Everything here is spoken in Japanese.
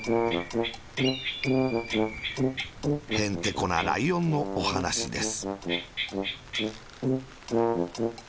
へんてこなライオンのおはなしです。